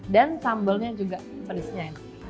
dan sambalnya juga pedesnya